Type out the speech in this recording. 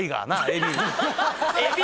エビ！？